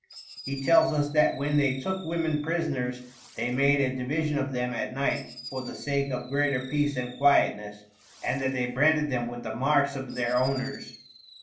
He tells us that when they took women prisoners, they made a division of them at night for the sake of greater peace and quietness, and that they branded them with the marks of their owners.